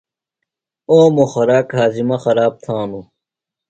اوموۡ خوراک ہاضِمہ خراب تھانوۡ۔